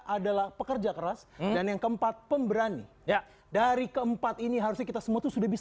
adalah pekerja keras dan yang keempat pemberani ya dari keempat ini harusnya kita semua sudah bisa